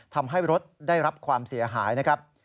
ทำให้รถได้รับความเสียหายนะครับ